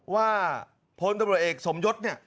ว่าพลตะบดเอกสมยศ